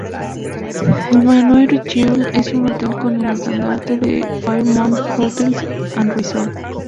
El Manoir Richelieu es un hotel con el estandarte de Fairmont Hotels and Resorts.